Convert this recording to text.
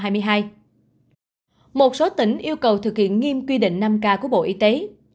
một số tỉnh yêu cầu thực hiện nghiêm quy định năm k của bộ y tế